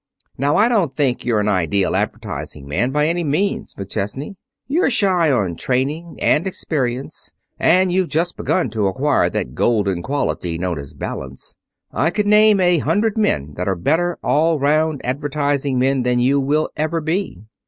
Now I don't think you're an ideal advertising man by any means, McChesney. You're shy on training and experience, and you've just begun to acquire that golden quality known as balance. I could name a hundred men that are better all around advertising men than you will ever be.